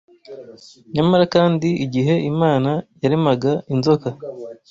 Nyamara kandi igihe Imana yaremaga inzoka